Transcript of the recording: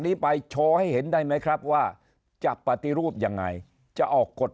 นี้ไปโชว์ให้เห็นได้ไหมครับว่าจะปฏิรูปยังไงจะออกกฎ